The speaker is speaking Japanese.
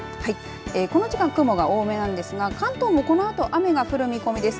この時間雲が多めなんですが関東もこのあと雨が降る見込みです。